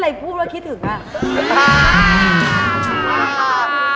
แต่เพื่อนอะไรพูดถึงปั๊ป